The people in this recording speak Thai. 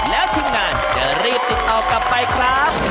แล้วทีมงานจะรีบติดต่อกลับไปครับ